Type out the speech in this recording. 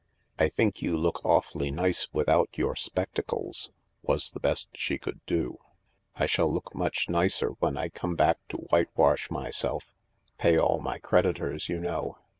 " I think you look awfully nice without your spectacles," was the best she could do. " I shall look much nicer when I come back to whitewash myself— pay all my creditors, you know.